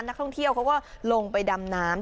นักท่องเที่ยวเขาก็ลงไปดำน้ำ